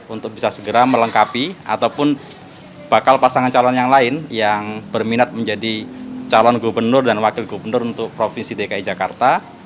untuk bisa segera melengkapi ataupun bakal pasangan calon yang lain yang berminat menjadi calon gubernur dan wakil gubernur untuk provinsi dki jakarta